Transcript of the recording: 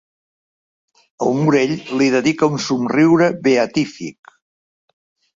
El Morell li dedica un somriure beatífic.